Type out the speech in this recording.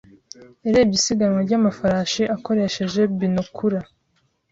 Yarebye isiganwa ryamafarashi akoresheje binokula.